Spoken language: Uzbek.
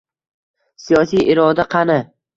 Siyosiy iroda qani?!